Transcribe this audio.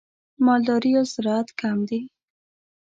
مالداري او زراعت کم دي.